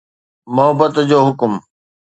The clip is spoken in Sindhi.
محبت جو حڪم